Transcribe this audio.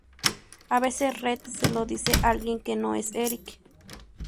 A veces Red se lo dice a alguien que no es Eric.